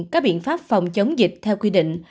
các biện pháp phòng chống dịch theo quy định